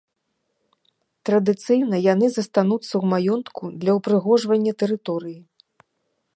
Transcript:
Традыцыйна яны застануцца ў маёнтку для ўпрыгожвання тэрыторыі.